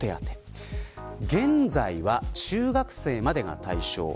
現在は、中学生までが対象。